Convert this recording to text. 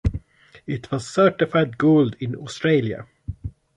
It was certified Gold in Australia.